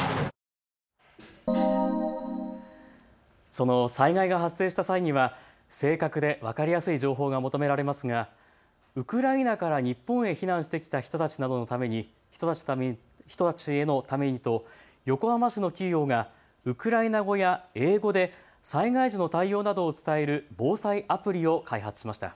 その災害が発生した際には正確で分かりやすい情報が求められますがウクライナから日本へ避難してきた人たちのためにと横浜市の企業がウクライナ語や英語で災害時の対応などを伝える防災アプリを開発しました。